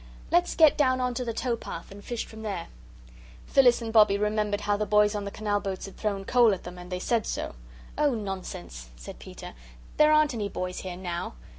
Let's get down on to the towpath and fish from there." Phyllis and Bobbie remembered how the boys on the canal boats had thrown coal at them, and they said so. "Oh, nonsense," said Peter. "There aren't any boys here now.